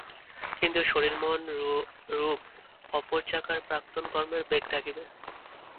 কিন্তু শরীর-মন-রূপ অপর চাকার প্রাক্তন কর্মের বেগ থাকিবে।